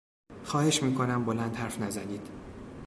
خواهش میکنم بلند حرف نزنید!